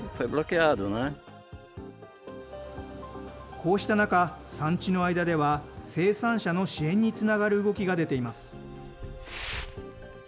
こうした中、産地の間では、生産者の支援につながる動きが出ています。